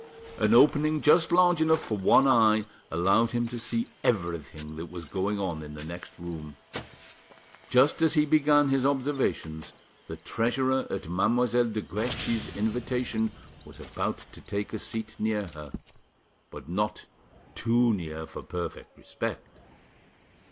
An opening just large enough for one eye allowed him to see everything that was going on in the next room. Just as he began his observations, the treasurer at Mademoiselle de Guerchi's invitation was about to take a seat near her, but not too near for perfect respect.